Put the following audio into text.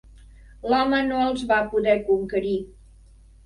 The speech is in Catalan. L'home no els va poder conquerir.